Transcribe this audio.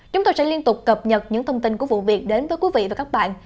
chúng tôi sẽ liên tục cập nhật những thông tin của vụ việc đến với quý vị và các bạn